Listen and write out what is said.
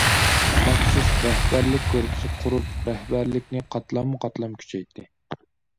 مەخسۇس رەھبەرلىك گۇرۇپپىسى قۇرۇپ، رەھبەرلىكنى قاتلاممۇ قاتلام كۈچەيتتى.